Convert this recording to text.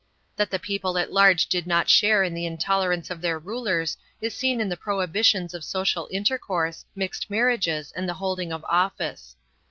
That the people at large did not share in the intol erance of their rulers is seen in the prohibitions of social inter course, mixed marriages, and the holding of office.